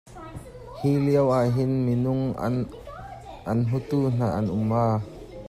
Hi lio ah hin minung an hmutu hna an um maw?